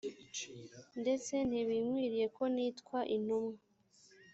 ndetse ntibinkwiriye ko nitwa intumwa